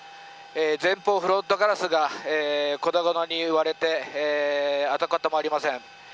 前方、フロントガラスが粉々に割れて跡形もありません。